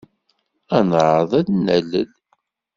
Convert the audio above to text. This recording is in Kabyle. Ad neɛreḍ ad d-nalel.